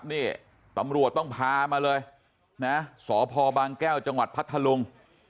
นี่ตำรวจต้องพามาเลยนะสพบางแก้วจังหวัดพัทธลุง